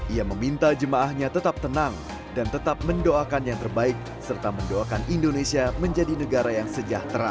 ia meminta jemaahnya tetap tenang dan tetap mendoakan yang terbaik serta mendoakan indonesia menjadi negara yang sejahtera